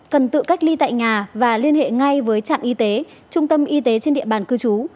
cần tự cách ly tại nhà và liên hệ ngay với trạm y tế trung tâm y tế trên địa bàn cư trú